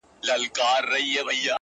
• د مینو اسوېلیو ته دي پام دی,